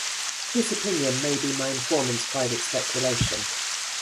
This opinion may be my informant's private speculation.